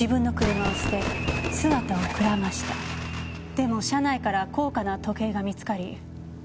でも車内から高価な時計が見つかり。